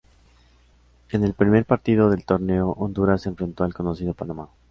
En el primer partido del torneo, Honduras enfrentó al conocido Panamá.